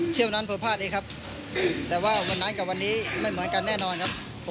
เที่ยวนั้นเผลอพาร์ทเองครับแต่ว่าวันนั้นกับวันนี้ไม่เหมือนกันแน่นอนครับ